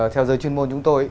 theo giới chuyên môn chúng tôi